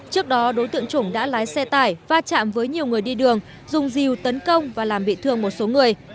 trước đó đối tượng trùng đã lái xe tải va chạm với nhiều người đi đường dùng rìu tấn công và làm bị thương một số người